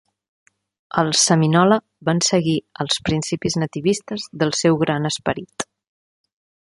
Els Seminola van seguir els principis nativistes del seu Gran Esperit.